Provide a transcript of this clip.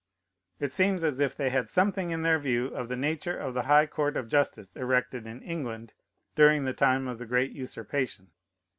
It seems as if they had something in their view of the nature of the high court of justice erected in England during the time of the great usurpation.